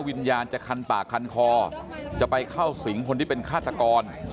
วิญญาณจะคันปากคันคอจะไปเข้าสิงคนที่เป็นฆาตกร